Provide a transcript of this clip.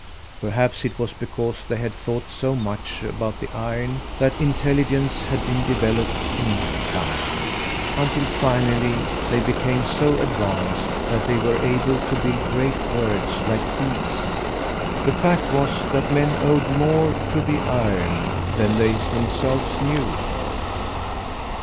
Perhaps it was because they had thought so much about the iron that intelligence had been developed in mankind, until finally they became so advanced that they were able to build great works like these. The fact was that men owed more to the iron than they themselves knew.